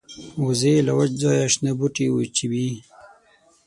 وزې له وچ ځایه شنه بوټي وچيبي